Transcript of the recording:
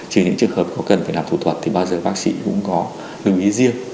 trừ những trường hợp có cần phải làm thủ thuật thì bao giờ bác sĩ cũng có lưu ý riêng